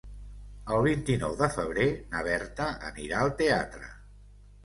El vint-i-nou de febrer na Berta anirà al teatre.